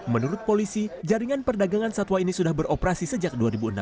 menurut polisi jaringan perdagangan satwa ini sudah beroperasi sejak dua ribu enam belas